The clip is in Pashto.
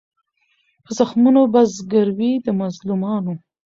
په زخمونو په زګیروي د مظلومانو